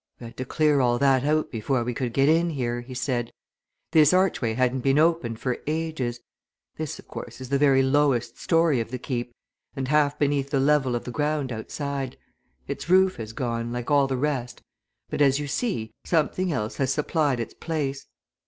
"We had to clear all that out before we could get in here," he said. "This archway hadn't been opened for ages. This, of course, is the very lowest story of the Keep, and half beneath the level of the ground outside. Its roof has gone, like all the rest, but as you see, something else has supplied its place.